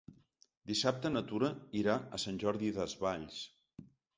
Dissabte na Tura irà a Sant Jordi Desvalls.